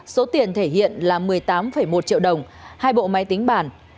số tiền thể hiện là một mươi tám một triệu đồng hai bộ máy tính bản